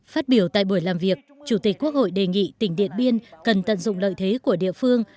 phát biểu tại buổi làm việc chủ tịch quốc hội đề nghị tỉnh điện biên cần tận dụng lợi dụng